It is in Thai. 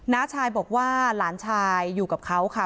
้าชายบอกว่าหลานชายอยู่กับเขาค่ะ